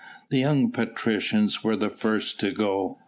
The young patricians were the first to go.